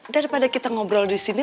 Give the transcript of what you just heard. daripada kita ngobrol di sini